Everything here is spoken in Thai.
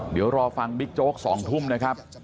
เดี๋ยวรอฟังบิ๊กโจ๊ก๒ทุ่มนะครับ